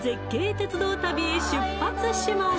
鉄道旅へ出発します